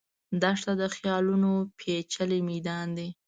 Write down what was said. دښته د خیالونو پېچلی میدان دی.